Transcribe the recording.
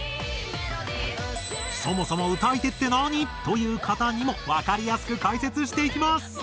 そもそも歌い手って何？という方にもわかりやすく解説していきます。